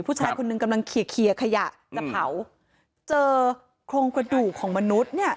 ผู้ชายคนนึงกำลังเคียกเคียกขยะเจอโครงกระดูกของมนุษย์เนี้ย